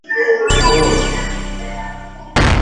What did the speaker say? Desde esta perspectiva dirige "Caballito del Diablo".